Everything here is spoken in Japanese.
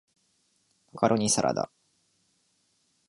マカロニサラダ